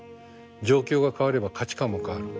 状況が変われば価値観も変わる。